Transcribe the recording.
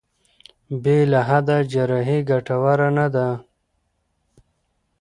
بې له حل جراحي ګټوره نه ده.